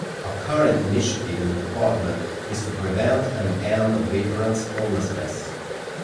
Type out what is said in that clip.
A current initiative in the Department is to prevent and end veterans' homelessness.